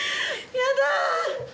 やだ！